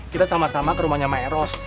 kita sama sama ke rumahnya mak elos